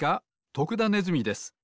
徳田ネズミです。